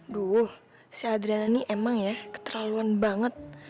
duh saya adriana ini emang ya keterlaluan banget